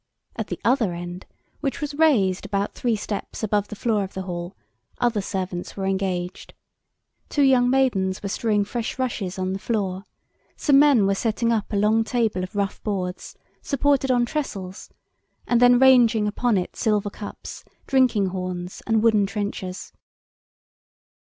At the other end, which was raised about three steps above the floor of the hall, other servants were engaged. Two young maidens were strewing fresh rushes on the floor; some men were setting up a long table of rough boards, supported on trestles, and then ranging upon it silver cups, drinking horns, and wooden trenchers.